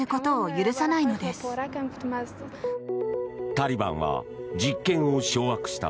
タリバンは実権を掌握した